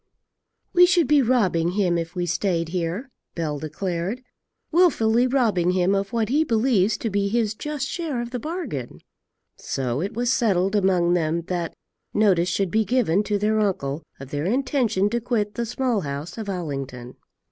"We should be robbing him, if we stayed here," Bell declared; "wilfully robbing him of what he believes to be his just share of the bargain." So it was settled among them that notice should be given to their uncle of their intention to quit the Small House of Allington.